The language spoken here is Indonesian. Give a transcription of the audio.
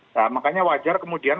nah makanya wajar kemudian